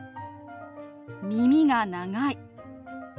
「耳が長い」。